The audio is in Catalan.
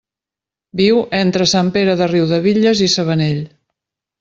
Viu entre Sant Pere de Riudebitlles i Sabanell.